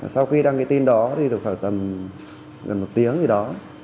sau khi đăng cái tin đó thì được khoảng tầm gần một tiếng thì đó